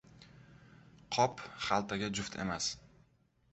• Qop xaltaga juft emas.